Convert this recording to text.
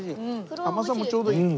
甘さもちょうどいい。